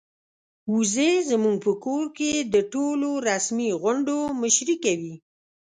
وزې زموږ په کور کې د ټولو رسمي غونډو مشري کوي.